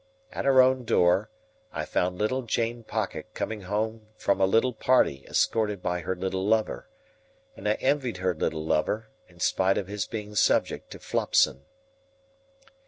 At our own door, I found little Jane Pocket coming home from a little party escorted by her little lover; and I envied her little lover, in spite of his being subject to Flopson.